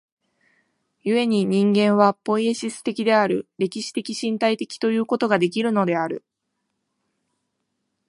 故に人間はポイエシス的である、歴史的身体的ということができるのである。